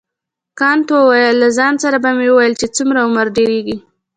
کانت وویل له ځان سره به مې ویل چې څومره عمر ډیریږي.